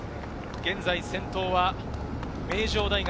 現在先頭は名城大学。